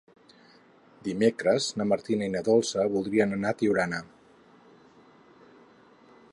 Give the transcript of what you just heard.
Dimecres na Martina i na Dolça voldrien anar a Tiurana.